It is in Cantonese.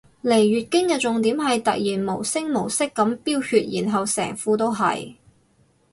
嚟月經嘅重點係突然無聲無息噉飆血然後成褲都係